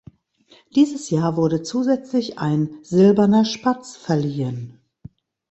Dieses Jahr wurde zusätzlich ein "Silberner Spatz" verliehen.